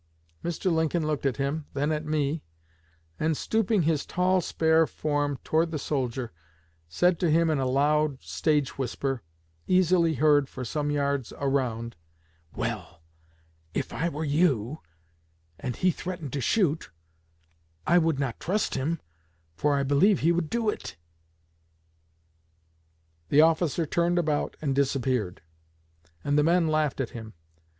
Mr. Lincoln looked at him, then at me; and stooping his tall, spare form toward the officer, said to him in a loud stage whisper, easily heard for some yards around: 'Well, if I were you, and he threatened to shoot, I would not trust him, for I believe he would do it.' The officer turned about and disappeared, and the men laughed at him.